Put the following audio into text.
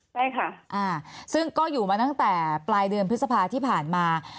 ใช่ค่ะซึ่งก็อยู่มาตั้งแต่ปลายเดือนพฤษภาที่ผ่านมา